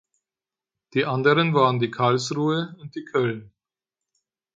Die anderen waren die "Karlsruhe" und die "Köln".